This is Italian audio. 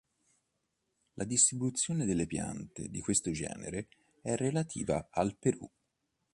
La distribuzione delle piante di questo genere è relativa al Perù.